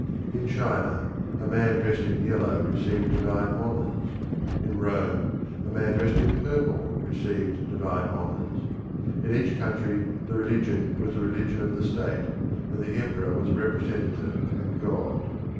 In China, a man dressed in yellow received divine honours; in Rome, a man dressed in purple received divine honours; in each country the religion was the religion of the state, and the emperor was the representative of God.